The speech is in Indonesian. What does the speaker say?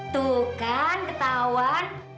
tuh kan ketauan